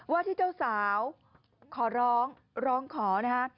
ว่าที่เจ้าสาวขอร้องร้องขอนะคะ